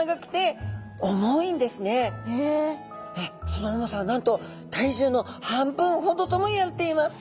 その重さはなんと体重の半分ほどともいわれています。